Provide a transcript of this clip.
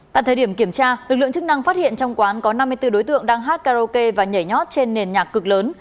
tại thời điểm kiểm tra lực lượng chức năng phát hiện trong quán có năm mươi bốn đối tượng đang hát karaoke và nhảy nhót trên nền nhạc cực lớn